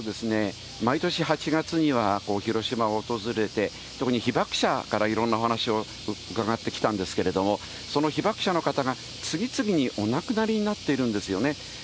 毎年８月には、広島を訪れて、特に被爆者からいろんなお話を伺ってきたんですけれども、その被爆者の方が次々にお亡くなりになっているんですよね。